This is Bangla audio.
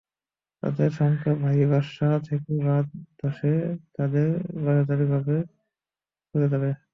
তাঁদের শঙ্কা, ভারী বর্ষা হলে বাঁধ ধসে তাঁদের বসতভিটা নদীগর্ভে চলে যাবে।